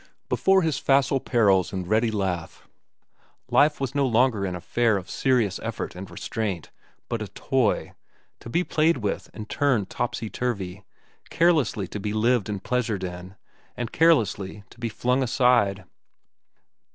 Before his facile perils and ready laugh, life was no longer an affair of serious effort and restraint, but a toy, to be played with and turned topsy turvy, carelessly to be lived and pleasured in, and carelessly to be flung aside.